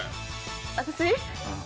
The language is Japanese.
私？